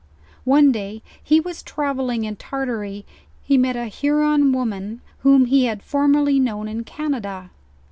One day he was travelling in Tartary, he met a Huron wo man whom he had formerly known in Canada.